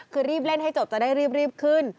คือรีบเล่นให้จบจะได้รีบขึ้น